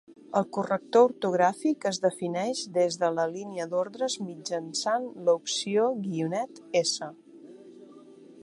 El corrector ortogràfic es defineix des de la línia d'ordres mitjançant l'opció -s.